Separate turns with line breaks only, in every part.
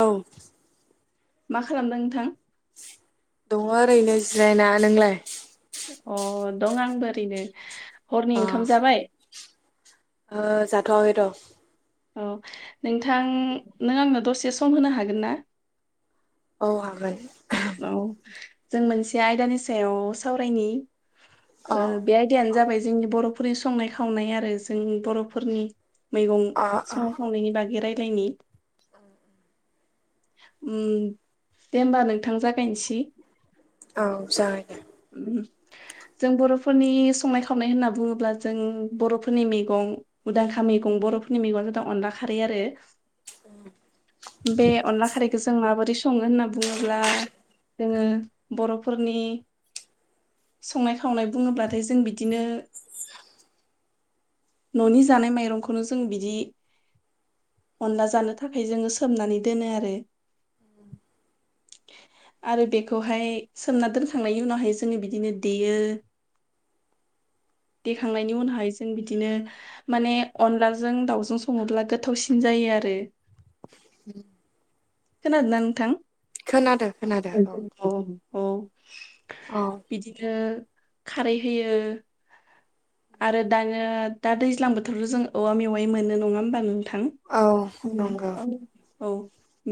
औ
मा खालामदों नोंथां
दङो ओरैनो जिरायना नोंलाय
अ दं आंबो ओरैनो। हरनि
अ
ओंखाम जाबाय?
ओ जाथ'आखै र'
औ नोंथां नों आंनो दसे सम होनो हागोन ना?
औ हागोन
औ जों मोनसे आयदानि सायाव सावरायनि ओ बे आयदायानो जाबाय जोंनि बर'फोरनि संनाय खावनाय आरो जों बर'फोरनि मैगं
अ अ
संनाय खावनायनि बागे रायलायनि
[unintelligible]
उम दे होमबा नोंथां जागायनसि
औ जागायदो
[unintelligible] जों बर'फोरनि संनाय खावनाय होनना बुङोब्ला जों बर'फोरनि मैगं मदांखा मैगंबो बर'फोरनि मगंआ जादों अनला खारै आरो [inaudible] बे अनला खारैखौ जों माबोरै सङो होनना बुङोब्ला जोङो बर'फोरनि संनाय खावनाय बुङोब्लाथाय जों बिदिनो न'नि जानाय माइरंखौनो जों बिदि अनला जानो थाखाय जोङो सोमनानै दोनो आरो आरो बेखौहाय सोमना दोनखांनाय उनावहाय जोङो बिदिनो देयो
[unintelligible]
देखांनायनि उनावहाय जों बिदिनो माने अनलाजों दाउजों सङोब्ला गोथावसिन जायो आरो
[inaudible]
खोनादोंना नोंथां?
खोनादो खोनादो औ
औ
औ
बिदिनो खारै होयो‌ आरो दानो दा दैज्लां बोथोरावथ' जों औवा मेवाय मोनो नङा होमबा नों थां औ
नंगौ
औ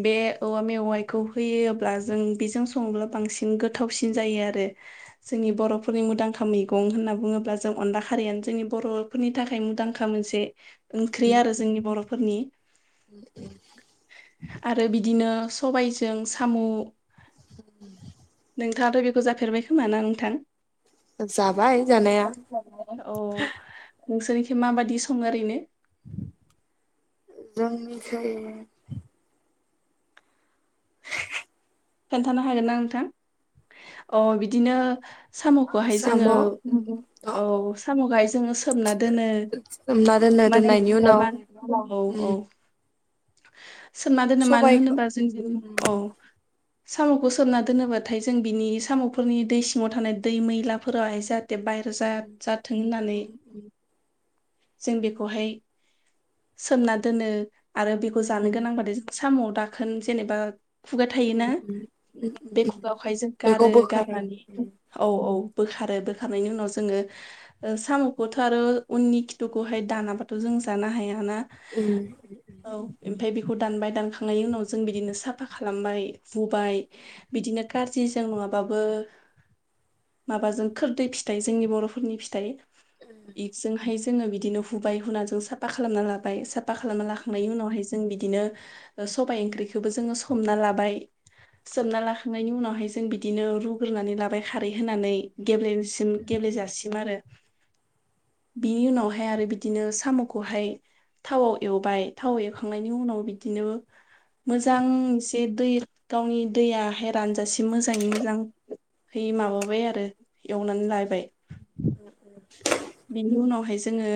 बे औवा मेवाइखौ होयोब्ला जों बेजों सङोब्ला बांसिन गोथावसिन जायो आरो जोंनि बर'फोरनि मोदांखा मैगं होनना बुङोब्ला जों अनला हारियानो जोंनि बर'फोरनि थाखाय मुंदांखा मोनसे ओंख्रि आरो जोंनि बर'फोरनि आरो बिदिनो सबायजों सामु
[inaudible]
नोंथाङाथ' बेखौ जाफेरबाय खोमा ना नोंथां?
जाबाय जानाया
औ नोंसोरनिखि माबादि सङो ओरैनो
जोंनिफ्राय
खोनथानो हागोन ना नोंथां अ बिदिनो साम'खौहाय
साम'
जोङो औ साम'खौहाय जोङो सोमना दोनो
सोमना दोननो
माने
दोननायनि उनाव
हगार औ
उम
औ सोमना दोनो मानो
सबायखौ
होनोबा जोंजों औ साम'खौ सोमना दोनोबाथाय जों बिनि साम'फोरनि दै सिङाव थानाय दै मैलाफोराहाय जा थेब बाहेर जा जाथों होननानै जों बेखौहाय सोमना दोनो आरो बेखौ जानो गोनांबाथाय जों साम' दाखोन जेनेबा खुगा थायोना बे खुगायावहाय जों
बेखौ
गारो
बोखारो
गारनानै औ औ बोखारो बोखारनायनि उनाव जोङो ओ साम'खौथ' आरो उननि खिथुखौहाय दानाबाथ' जों जानो हायाना
उम
औ ओमफाय बेखौ दानबाय दानखांनायनि उनाव जों बिदिनो साफा खालामबाय हुबाय बि दिनो काजिजों नङाबाबो माबाजों खोरदै फिथाइ जोंनि बर'फोरनि फिथाइ। इजोंहाय जोङो बिदिनो हुबाय हुनाजों साफा खालामना लाबाय साफा खालामना लाखा हाय जों बिदिनो सबाय ओंख्रिखौबो जोङो सोमना लाबाय सोमना लाखांनायनि उनावहाय जों बिदिनो रुग्रोनानै लाबाय खारै होनानै गेब्ले सिम गेब्लेजासिम आरो बिनि उनावहाय आरो बिदिनो साम'खौहाय थावआव एवबाय थाव एखांनायनि उनाव बिदिनो मोजां बे दै गावनि दैयहाय रानजासे मोजाङै मोजां है माबाबाय आरो एवनानै लाबाय। बिनि उनावहाय जोङो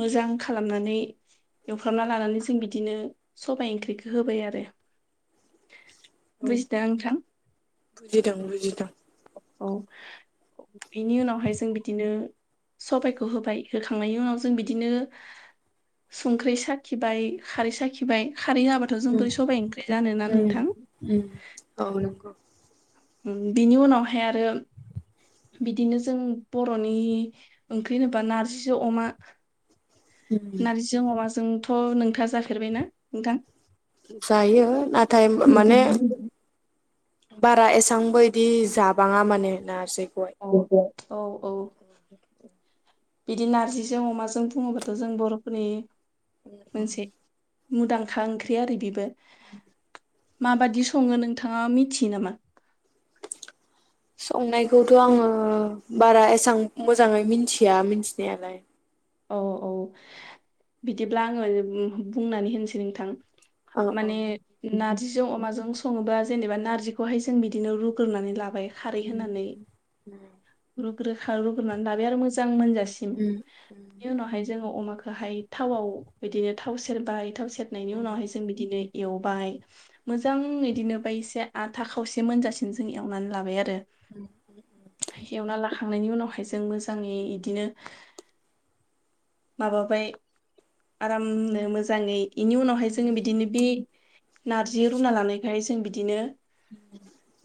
मोजां खालामनानै एवफ्रामना लानानै जों बिदिनो सबाय ओंख्रिखौ होबाय आरो।
औ
बुजिदों नोंथां
बुजिदों बुजिदों।
औ बेनि उनावहाय जों बिदिनो सबायखौ होबाय होखांनायनि उनाव जों बिदिनो संख्रि साखिबाय, खारै साखिबाय खारै होबाथ' जों बोरै सबाय ओंख्रि जानो, ना
उम
नोंथां?
उम औ नंगौ
बिनि उनावहाय आरो बिदिनो जों बर'नि ओंख्रि होनोबा नारजिजो अमा।
उम
नारजिजों अमाजोंथ' नोंथाङा जाफेरबायना नोंथां?
जायो नाथाय माने बारा एसांबो इदि जाबाङा माने नारजि
औ औ औ औ बिदि नारजिजों अमाजों बुङोबाथ' जों बर'फोरनि
[unintelligible]
मुदांखा ओंख्रि आरो बिबो। माबादि सङो नोंथाङा मिथियो नामा?
[inaudible] संनायखौथ' आङो बारा एसां मोजाङै मिथिया मिन्थिनायालाय।
औ औ बिदिब्ला आङो उम बुंनानै होनोसै नोंथां।
औ औ
माने नार जिजों अमाजों सङोबा जेनेबा नारजिखौहाय जों बिदिनो रुग्रोनानै लाबाय। खारै होनानै रुग्रोखा रुग्रोनानै लाबाय आरो मोजां मोनजा सिम।
उम
उनावहाय जोङो अमाखोहाय थाव बिदिनो थाव सेरबाय, थाव सेरनायनि उनावहाय जों बिदिनो एवबाय, मोजां बिदिनो बाय एसे आथा खावसे मोनजासिम जों एवनानै लाबाय आरो। एवना लाखांनायनि उनावहाय जों मोजाङै इदिनो माबाबाय आरामनो मोजाङै। बेनि उनावहाय जोङो बिदिनो बे नारजि रुना लानायखहाय जों बिदिनो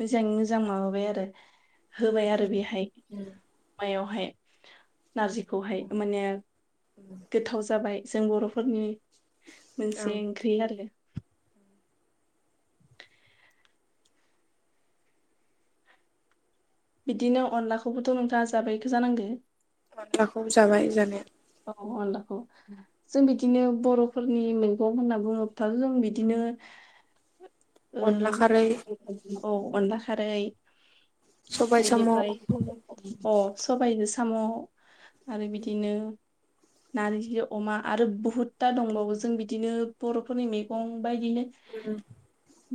मोजाङै मोजां माबाबाय आरो होबाय आरो बेहाय मायावहाय नारजिखौहाय माने गोथाव जाबाय जों बरफोरनि
औ
मोनसे ओंख्रि आरो बिदिनो अनलाखौबोथ नोंथाङा जाबायखो जानांगौ
अनलाखौबो जाबाय जानाया
औ जों बिदिनो बरफोरनि मैगं होनना बुङोबाथाय जों बिदिनो
[inaudible] अनला खारै
औ ओ अनला खारै
सबाय साम'
बिनिफ्राय ओ सबायजों सा साम' आरो बिदिनो नारजि अमा आरो बहुदथा दंबावो जों बिदिनो बरफोरनि मैगं बायदिनो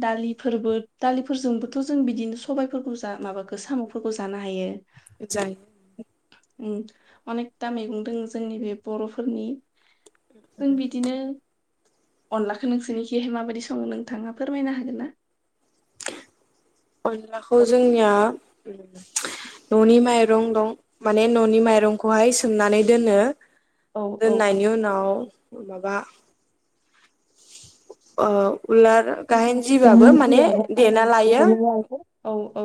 दालिफोरबो दालिफोरजोंबोथ जों बिदिनो सबायफोरखौ जा माबाखो साम'फोरखौ जानो हायो।
[unintelligible]
उम अनेकथा मैगं दङ जोंनि बे बरफोरनि जों बिदिनो अनलाखौ नोंसोनिखिहाय माबायदि सङो नोंथाङा फोरमायनो हागोन ना?
अनलाखौ
औ
जोंनिया न'नि माइरं दं माने ननि माइरंखौहाय सोमनानै दोनो
औ
दोननायनि उनाव माबा अ उलार गाहेन जिबाबो माने देना लायो।
औ औ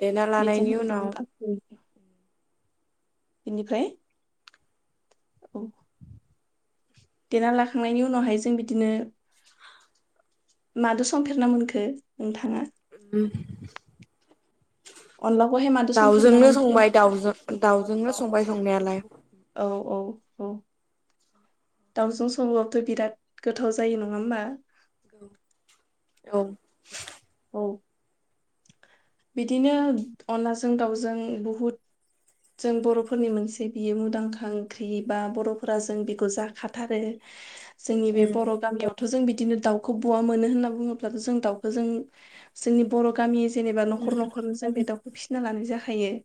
देना
बेजों
लानायनि उनाव
बेनिफ्राय औ देना लाखांनायनि उनावहाय जों बिदिनो मादो संफेरनो मोनखो नोंथाङा?
उम
अनलाखौहाय मादो संफेरना मोनखो
संबाय दाउजों दाउजोंनो संबाय संनायालाय
औ औ औ दाावजों सङोबाबथ' बिराद गोथाव जायो नङा होमबा?
औ औ
औ बिदिनो अनलाजों दाउजों बहुद जों बरफोरनि मोनसे बियो मुंदांखा ओंख्रि बा बर'फोरा जों बेखौ जाखाथारो जोंनि बे
उम
बर' गामियावथ जों बि बिदिनो दाउखौ बहा मोनो होनना बुङोब्लाथ जों दाउखौ जों जोंनि बर' गामि जेनेबा नखर नखर नखर जों बे दाउखौ फिसिना लानाय जाखायो।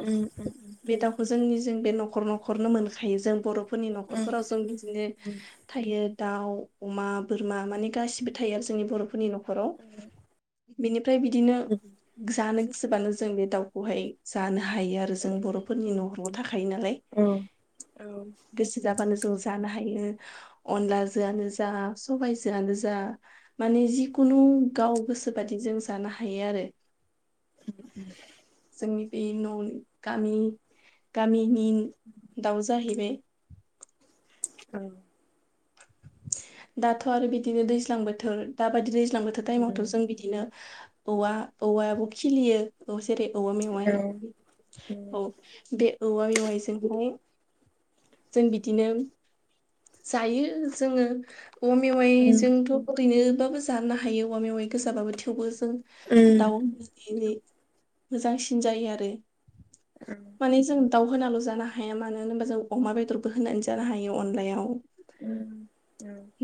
उम उम
बे दाउखौ जोंनि जों बे नखर नखरनो मोनखायो जों बरफोरनि न'खरफोराव जों बिदिनो थायो। दाउ अमा बोरमा माने गासिबो थायो आरो जोंनि बरफोरनि नखराव बेनि ओमफ्राय बिदिनो जानो गोसोबानो जों बे दाउखौहाय जानो हायो आरो जों बरफोरनि नखरावनो थाखायो। नालाय गोसो जाबानो जों जानो हायो अनलाजोंआनो जा सबबायजोआनो जा माने जिखुनु गाव गोसोबादि जों जानो हायो आरो।
उ [inaudible]
आनि बे न गामि गामिनि दाउ जाहैबाय।
औ
दाथ आरो बिदिनो दैज्लां बोथोर दाबायदि दैज्लां दैज्लां बोथोर टाइमावथ जों बिदिनो औवा औवायाबो खिलियो औ जेरै औवा मेवाइ औ बे औवा मेवाइ जोंहाय जों बिदिनो जायो जोङो औवा मेवाइजोंथ' ओरैनोबाबो जानो हायो औवा मेवाइ गोजाबाबो थेवबो जों दाउ होनना एवोब्ला मोजांसिन जायो आरो। माने जों दाउ होनाल' जानो हाया मानो होनबा जों अमा बेदरबो होनानै जानो हायो अनलायाव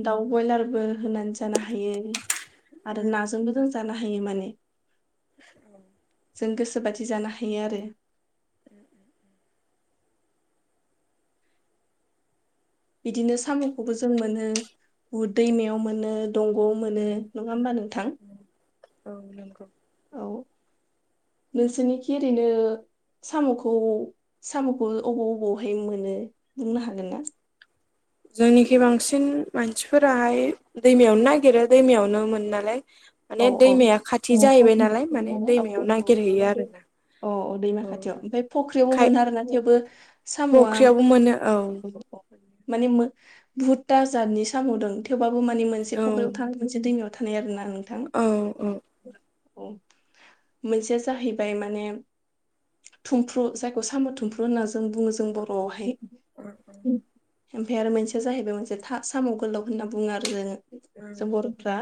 दाउ ब्रयलारबो होनानै जानो हायो आरो नाजोंबो जों जानो हायो माने ।
औ।
जों गोसो बायदि जानो हायो आरो।
[inaudible]
बिदिनो साम'खौबो जों मोनो बहुद दैमायाव मोनो। दंग' मोनो नङा होमबा नोंथां औ।
[inaudible]
नोंसोरनिखि ओरैनो साम'खौ साम'खौ अबाव अबावहाय मोनो बुंनो हागोनना?
जोंनिखि बांसिन मानसिफोराहाय दैमायावनो नागिरो दैमायावनो मोनो नालाय।
औ
माने
औ
दैमाया
औ
खाथि जाहैबाय नालाय माने दैमायाव नागिरहैयो आरोना।
अ औ दैमा
औ
खाथियाव ओमफ्राय फख्रियावबो
खाय
मोनो आरोना थेवबो साम'आ
फख्रियावबो मोनो औ
माने बुहुथा जादनि साम' दं थेवबाबो माने मोनसे
औ
फख्रियाव थानाय मोनसे दैमायाव थानाय आरोना नोंथां।
औ
औ मोनसेया जाहैबाय माने थुमफ्रु जायखौ साम' थुमफ्रु होनना जों बुङो जों बर'आवहाय।
औ
ओमफ्राय आरो मोनसेया जाहैबाय मोनसे साम' गोलाव होनना बुङो आरो जों जों बर'फ्रा।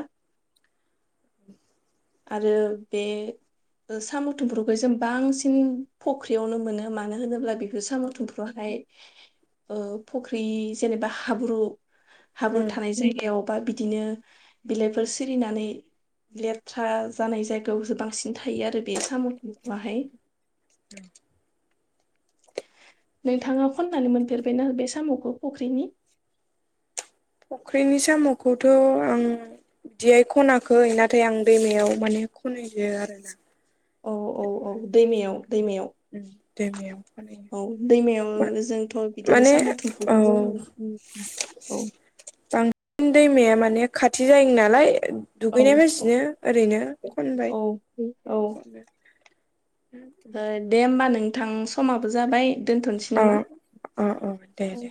[inaudible]
आरो बे साम' थुमफ्रुखौ जों बांसिन फख्रियावनो मोनो मानो होनोब्ला बेफोर साम'
औ
थुमफ्रुहाय फुख्रि जेनेबा हाब्रु हाब्रु
औ
थानाय जायगायाव बा बिदिनो बिलाइफोर सिरिनानै लेथ्रा जानाय जायगायावसो बांसिन थायो आरो बे साम' थुमफ्रुहाय
उम।
नोंथाङा खननानै मोनफेरबायना बे साम'खौ फुख्रिनि
फुख्रिनि साम'खौथ' आं बिदिहाय खनाखै नाथाय आं दैमायाव माने खनहैयो आरोना।
औ औ औ दैमायाव दैमायाव।
उम दैमायाव खनायो
औ दैमायाव जोंथ' बिदिनो
माने
साम'
औ
थुमफ्रुखौ जों औ।
बांसिन दैमाया माने खाथि जायो नालाय
औ
दुगैनाय फाजैनो ओरैनो खनबाय
औ औ
।
ओ,
[inaudible]
दे होमबा नोंथां समाबो जाबाय दोनथ'नोसै
अ
नामा?
अ अ दे दे